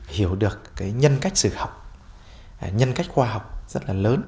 hiểu được nhân cách sự học nhân cách khoa học rất là lớn